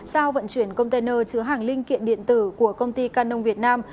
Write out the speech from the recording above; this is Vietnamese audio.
sau vận chuyển container chứa hàng linh kiện điện tử của công ty căn nông việt nam